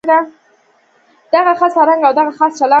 دغه خاص فرهنګ او دغه خاص چلند.